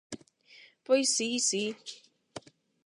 Pois si, si...